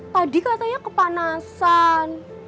tadi katanya kepanasan